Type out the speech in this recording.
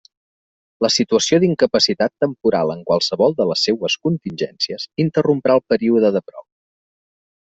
La situació d'incapacitat temporal en qualsevol de les seues contingències interromprà el període de prova.